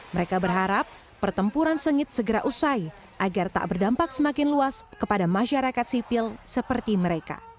mereka berharap pertempuran sengit segera usai agar tak berdampak semakin luas kepada masyarakat sipil seperti mereka